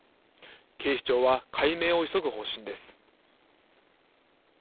警視庁は解明を急ぐ方針です。